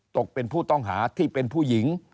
ตกเป็นผู้ต้องหาที่เป็นผู้หญิง